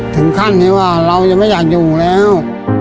ถึงขั้นที่ว่าเรายังไม่อยากอยู่แล้ว